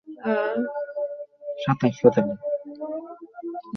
এটি "শৈশবের প্রতিটি পর্যায়ে পুষ্টির সমাধান" সরবরাহ করার দাবি করে।